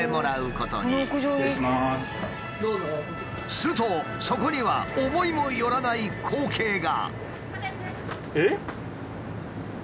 するとそこには思いもよらない光景が。